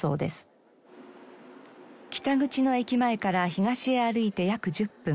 北口の駅前から東へ歩いて約１０分。